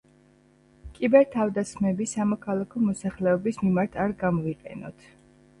კიბერ-თავდასხმები სამოქალაქო მოსახლეობის მიმართ არ გამოვიყენოთ.